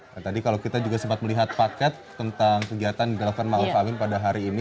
dan tadi kalau kita juga sempat melihat paket tentang kegiatan gelapkan ma'ruf amin pada hari ini